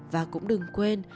và cũng đừng quên